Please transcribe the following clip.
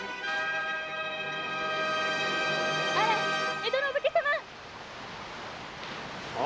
あら江戸のお武家様あ